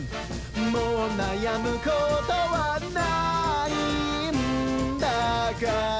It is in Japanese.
もう悩むことはないんだから」